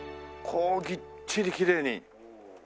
こうぎっちりきれいに。